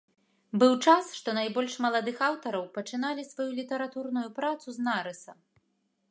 Быў час, што найбольш маладых аўтараў пачыналі сваю літаратурную працу з нарыса.